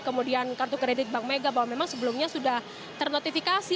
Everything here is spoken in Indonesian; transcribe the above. kemudian kartu kredit bank mega bahwa memang sebelumnya sudah ternotifikasi